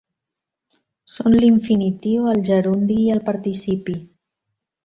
Són l'infinitiu, el gerundi i el participi.